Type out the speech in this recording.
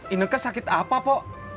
ineke sakit apa po